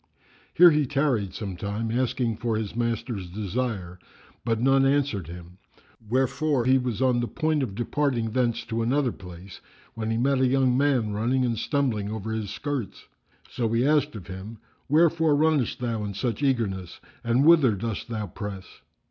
Here he tarried some time, asking for his master's desire, but none answered him, wherefore he was on the point of departing thence to another place, when he met a young man running and stumbling over his skirts. So he asked of him, "Wherefore runnest thou in such eagerness and whither dost thou press?"